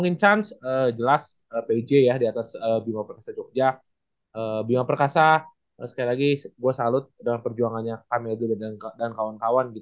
nanti kita akan jawab